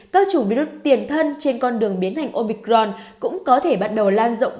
các chủng virus tiền thân trên con đường biến thành omicron cũng có thể bắt đầu lan rộng